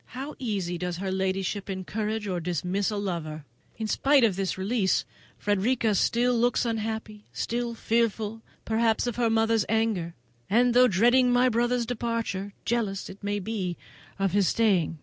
How easily does her ladyship encourage or dismiss a lover! In spite of this release, Frederica still looks unhappy: still fearful, perhaps, of her mother's anger; and though dreading my brother's departure, jealous, it may be, of his staying.